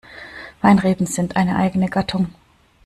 Weinreben sind eine eigene Gattung.